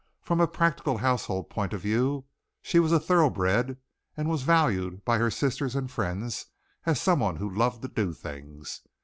From a practical household point of view she was a thoroughbred and was valued by her sisters and friends as someone who loved to do things.